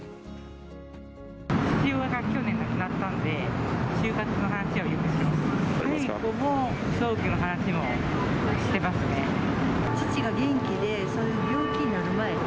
父親が去年亡くなったので、終活の話をよくしてます。